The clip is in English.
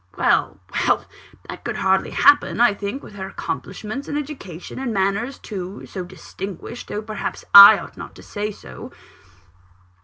Well, well! that could hardly happen, I think, with her accomplishments and education, and manners too, so distinguished though perhaps I ought not to say so.